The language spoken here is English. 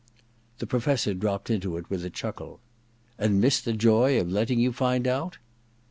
The Professor dropped into it with a chuckle. * And miss the joy of letting you find out